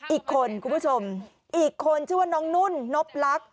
อีกคนคุณผู้ชมอีกคนชื่อว่าน้องนุ่นนบลักษณ